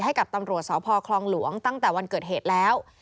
ให้กับตำรวจสพคลองหลวงตั้งแต่วันเกิดเหตุแล้ว